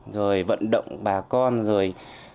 rồi vận động bà con rồi